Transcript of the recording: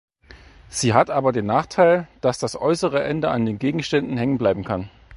Sie hat aber den Nachteil, dass das äußere Ende an Gegenständen hängen bleiben kann.